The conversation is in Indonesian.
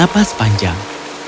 dia mengemas panjang